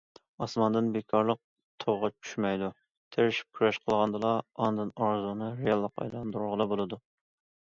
ئاسماندىن بىكارلىق توقاچ چۈشمەيدۇ، تىرىشىپ كۈرەش قىلغاندىلا، ئاندىن ئارزۇنى رېئاللىققا ئايلاندۇرغىلى بولىدۇ.